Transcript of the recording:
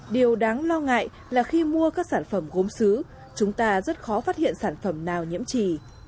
điều đáng lo ngại là khi mua các sản phẩm gốm xứ chúng ta rất khó phát hiện sản phẩm nào nhiễm trì